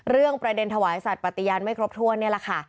เรื่องประเด็นถวายสัตว์ปฏิญาณไม่ครบถ้วนเนี่ยล่ะค่ะ